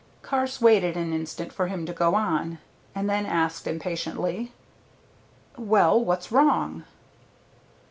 Carse waited an instant for him to go on, and then asked impatiently, "Well, what's wrong?"